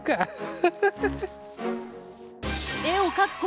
フフフフ。